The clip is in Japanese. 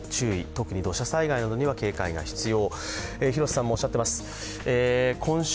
特に土砂災害などには警戒が必要。